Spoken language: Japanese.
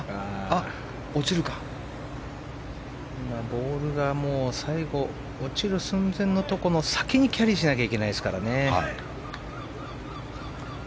ボールが落ちる寸前のところのその先にキャリーしなきゃいけないですからね。